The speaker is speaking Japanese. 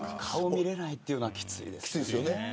顔見れないっていうのはきついですよね。